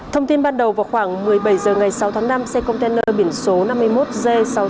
thông tin ban đầu vào khoảng một mươi bảy h ngày sáu tháng năm xe container biển số năm mươi một g